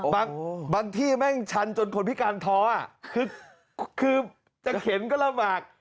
บางที่แม่งชันจนคนพิการท้อคือจะเข็นก็ลำบาก